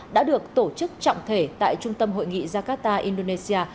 đã được tổ chức trọng thể tại trung tâm hội nghị jakarta indonesia